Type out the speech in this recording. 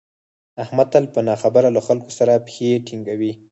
احمد تل په نه خبره له خلکو سره پښې ټینگوي.